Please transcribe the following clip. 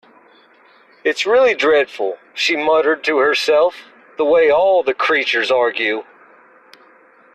‘It’s really dreadful,’ she muttered to herself, ‘the way all the creatures argue’.